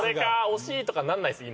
惜しい！とかなんないっす